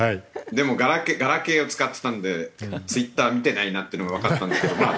でもガラケーを使ってたんでツイッター見てないなっていうのがわかったんですけど。